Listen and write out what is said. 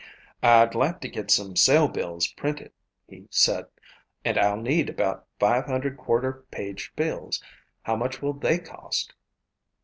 "I'd like to get some sale bills printed," he said, "and I'll need about five hundred quarter page bills. How much will they cost?"